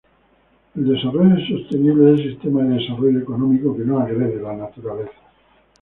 El desarrollo sostenible es el sistema de desarrollo económico que no agrede la naturaleza.